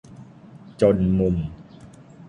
จนมุม